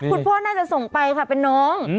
คุณพ่อน่าจะส่งไปค่ะเป็นน้อง